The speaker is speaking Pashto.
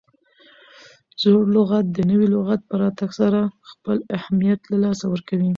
زوړ لغت د نوي لغت په راتګ سره خپل اهمیت له لاسه ورکوي.